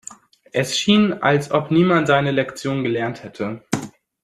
Es schien, als ob niemand seine Lektion gelernt hätte.